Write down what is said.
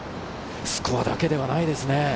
スコアだけではないですね。